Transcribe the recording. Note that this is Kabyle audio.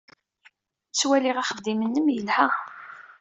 Ttwaliɣ axeddim-nnem yelha.